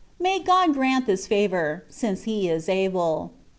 May God grant this favour, since He is able.